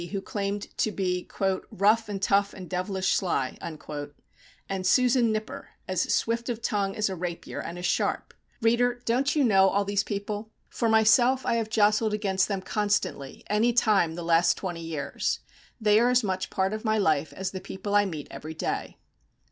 who claimed to be "rough and tough and devilish sly;" and Susan Nipper, as swift of tongue as a rapier, and as sharp? Reader, don't you know all these people? For myself, I have jostled against them constantly any time the last twenty years. They are as much part of my life as the people I meet every day.